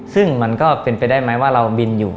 ซึ่งมันก็เป็นไปได้ไหมว่าเราบินอยู่